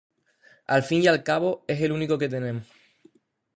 Al fin y al cabo, es el único que tenemos.